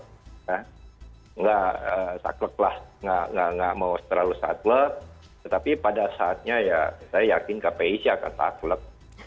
tidak saklek lah nggak mau terlalu saklek tetapi pada saatnya ya saya yakin kpi sih akan taklek